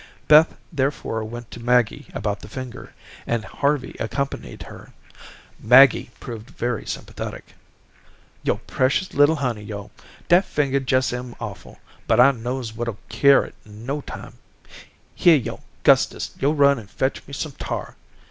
Beth therefore went to Maggie about the finger, and Harvey accompanied her. Maggie proved very sympathetic. "Yo' precious little honey, yo'. Dat finger jes' am awful, but I knows what'll cure it in no time. Here, yo', Gustus, yo' run and fetch me some tar.